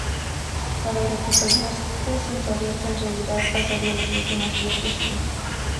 Para recuperarse, sin saber que en realidad pasaría los últimos días de su vida.